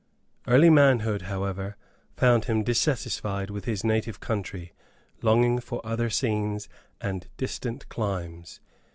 Early manhood, however, found him dissatisfied with his native country, longing for other scenes and distant climes.